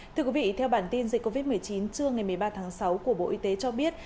thưa quý vị theo bản tin dịch covid một mươi chín trưa ngày một mươi ba tháng sáu của bộ y tế cho biết